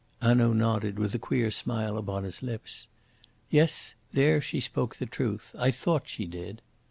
Hanaud nodded with a queer smile upon his lips. "Yes, there she spoke the truth. I thought she did."